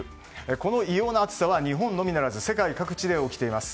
この異様な暑さは日本のみならず世界各地で起きています。